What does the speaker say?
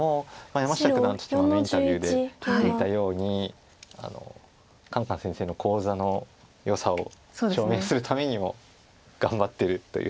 山下九段としてもインタビューで言っていたようにカンカン先生の講座のよさを証明するためにも頑張ってるという。